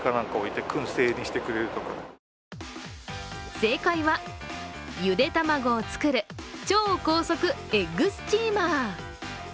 正解は、ゆで卵を作る超高速エッグスチーマー。